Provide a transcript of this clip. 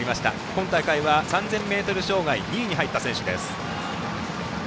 今大会は３０００ｍ障害で２位に入った選手です。